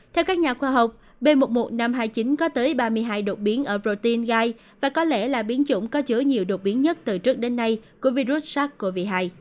theo các nhà khoa học b một mươi một nghìn năm trăm hai mươi chín có tới ba mươi hai đột biến ở protein gai và có lẽ là biến chủng có chứa nhiều đột biến nhất từ trước đến nay của virus sars cov hai